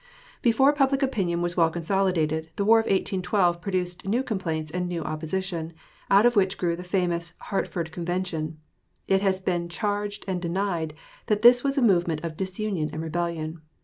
Before public opinion was well consolidated, the war of 1812 produced new complaints and new opposition, out of which grew the famous Hartford Convention. It has been charged and denied that this was a movement of disunion and rebellion.